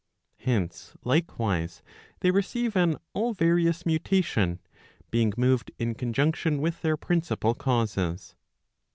Hence, likewise, they receive an all various mutation, being moved in conjunction with their principal causes.